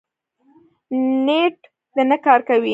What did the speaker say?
نېټ دې نه کاروي